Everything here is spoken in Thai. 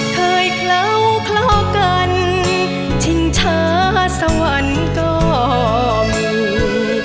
เคยเคล้าคลอกกันชิงช้าสวรรค์ก็มี